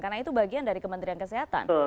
karena itu bagian dari kementerian kesehatan